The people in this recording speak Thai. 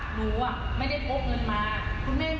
หนูอ่ะไม่ได้พบเงินมาคุณแม่มีญาติที่ไหนไหม